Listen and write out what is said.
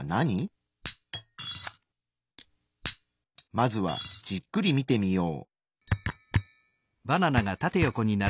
まずはじっくり見てみよう。